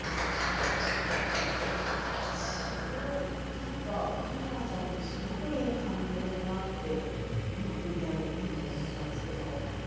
すごいなんか栗原さんとすごくいい関係だなと今ＶＴＲを見て思ったんですけれど。